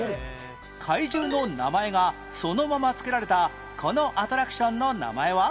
怪獣の名前がそのまま付けられたこのアトラクションの名前は？